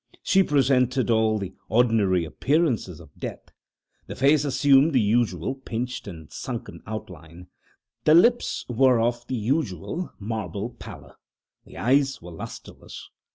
She presented all the ordinary appearances of death. The face assumed the usual pinched and sunken outline. The lips were of the usual marble pallor. The eyes were lustreless.